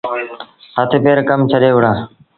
هٿ پير ڪم ڇڏي وهُڙآ۔